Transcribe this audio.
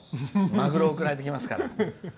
マグロ送られてきます。